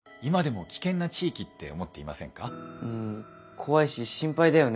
怖いし心配だよね。